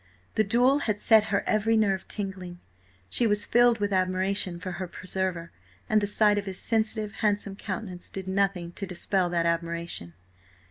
The duel had set her every nerve tingling; she was filled with admiration for her preserver, and the sight of his sensitive, handsome countenance did nothing to dispel that admiration.